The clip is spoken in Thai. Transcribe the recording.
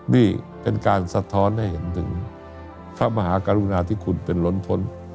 นี่เป็นการสะท้อนให้เห็นถึงพระมหากรุณาที่คุณเป็นล้นทน